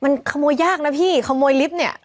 มันขโมยยากนะพี่ขโมยลิฟต์เนี่ย